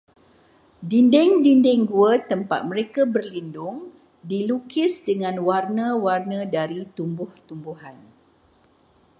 Dinding-dinding gua tempat mereka berlindung dilukis dengan warna-warna dari tumbuh-tumbuhan.